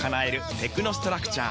テクノストラクチャー！